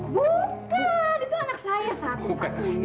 bu itu anak saya satu satunya